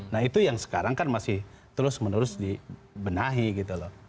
nah itu yang sekarang kan masih terus menerus dibenahi gitu loh